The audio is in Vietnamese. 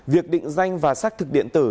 việc định danh và xác thực điện tử